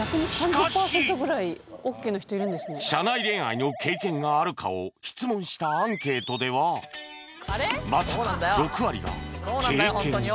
社内恋愛の経験があるかを質問したアンケートではまさかの６割が経験あり